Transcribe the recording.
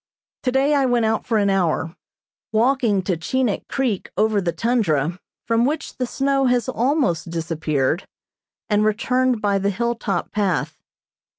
Today I went out for an hour, walking to Chinik Creek over the tundra, from which the snow has almost disappeared, and returned by the hill top path.